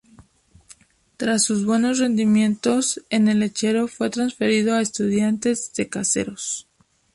Tras sus buenos rendimientos en el "lechero", fue transferido a Estudiantes de Caseros.